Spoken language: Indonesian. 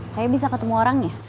saya bisa ketemu orangnya